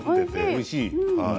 おいしい。